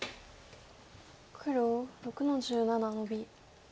黒６の十七ノビ。